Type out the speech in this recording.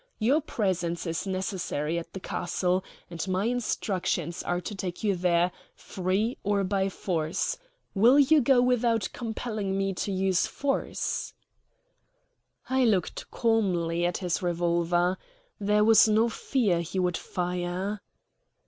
Your presence is necessary at the castle, and my instructions are to take you there, free or by force. Will you go without compelling me to use force?" I looked calmly at his revolver. There was no fear he would fire.